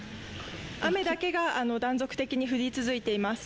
雨だけが断続的に降り続いています。